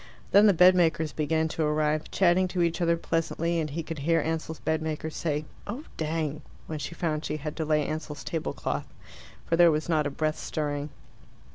Then the bedmakers began to arrive, chatting to each other pleasantly, and he could hear Ansell's bedmaker say, "Oh dang!" when she found she had to lay Ansell's tablecloth; for there was not a breath stirring.